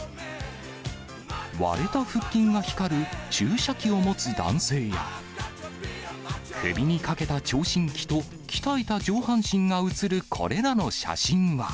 割れた腹筋が光る注射器を持つ男性や、首にかけた聴診器と、鍛えた上半身が写るこれらの写真は。